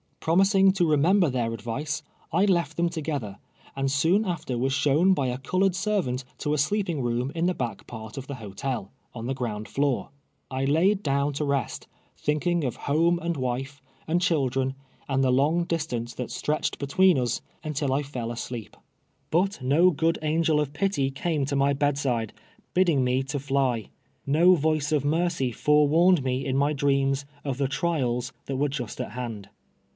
Promising to remember their advice, I left them to gether, and soon after was shown by a colored ser vant to a sleeping room in the back part of the hotel, on the ground tioor. I laid down to rest, thinking of home and wife, and children, and the long distance that stretched betNveen us, until I fell asleej). 13ut rUNEEAL OF HAEEISOX. 85 110 good angel of pity came to my bedside, Lidding me to fly — no roico of mercy forewarned me in my dreams of the trials that were just at liand.